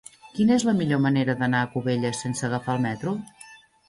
Quina és la millor manera d'anar a Cubelles sense agafar el metro?